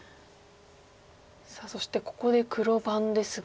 さあそしてここで黒番ですが。